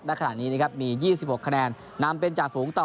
และขนาดนี้ครับมี๒๖คะแนนนำเป็นจากฝูงต่อ